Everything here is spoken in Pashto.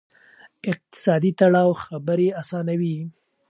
اقتصادي تړاو خبرې آسانوي.